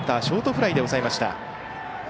ショートフライで抑えました。